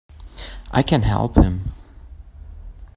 I can help him!